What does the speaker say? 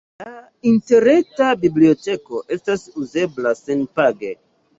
La interreta biblioteko estas uzebla senpage.